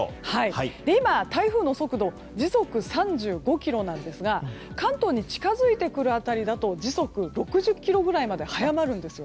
今、台風の速度時速３５キロなんですが関東に近づいてくる辺りだと時速６０キロぐらいまで早まるんです。